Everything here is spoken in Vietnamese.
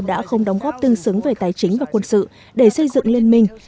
đã không đóng góp tương xứng về tài chính và quân sự để xây dựng liên minh